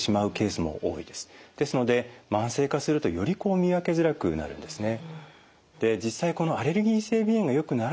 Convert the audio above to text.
ですので慢性化するとより見分けづらくなるんですね。